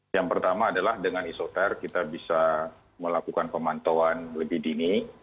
yang pertama adalah dengan isoter kita bisa melakukan pemantauan lebih dini